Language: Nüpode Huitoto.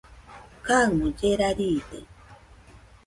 kaɨmo llera riide